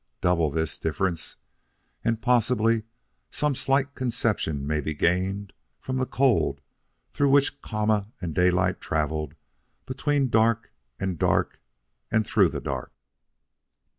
Double this difference, and possibly some slight conception may be gained of the cold through which Kama and Daylight travelled between dark and dark and through the dark.